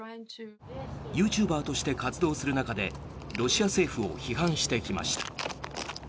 ユーチューバーとして活動する中でロシア政府を批判してきました。